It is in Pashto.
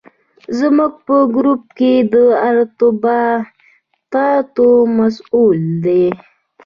زموږ په ګروپ کې د ارتباطاتو مسوول دی.